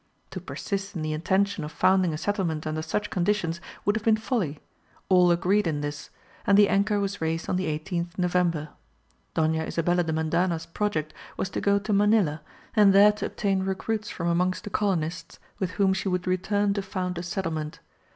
To persist in the intention of founding a settlement under such conditions would have been folly; all agreed in this, and the anchor was raised on the 18th November. Doña Isabella de Mendana's project was to go to Manilla, and there to obtain recruits from amongst the colonists, with whom she would return to found a settlement.